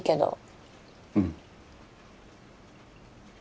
うん。